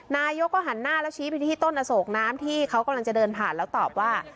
นายกก็หันหน้าแล้วชี้ไปที่ต้นอโศกน้ำที่เขากำลังจะเดินผ่านแล้วตอบว่า